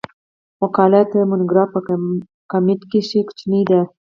مقاله تر مونوګراف په کمیت کښي کوچنۍ ده.